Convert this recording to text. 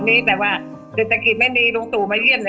เดือนจังหิตไม่ดีลุงตูไม่เยี่ยม